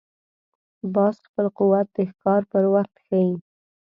باز خپل قوت د ښکار پر وخت ښيي